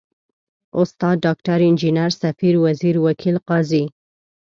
استاد، ډاکټر، انجنیر، ، سفیر، وزیر، وکیل، قاضي ...